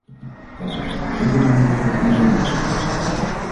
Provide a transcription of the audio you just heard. Dat is echter beter dan wanneer het andersom was geweest.